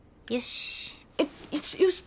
よし。